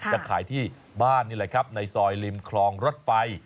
จะขายที่บ้านนี่แหละครับในซอยริมคลองรถไฟ